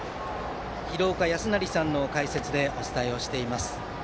廣岡資生さんの解説でお伝えをしています。